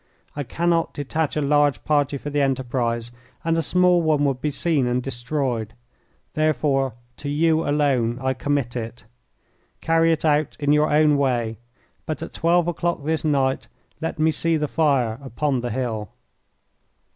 I cannot detach a large party for the enterprise and a small one would be seen and destroyed. Therefore to you alone I commit it. Carry it out in your own way, but at twelve o'clock this night let me see the fire upon the hill."